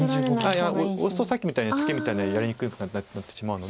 オスとさっきみたいにツケみたいにやりにくくなってしまうので。